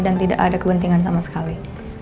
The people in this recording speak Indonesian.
dan tidak ada kepentingan sama sekali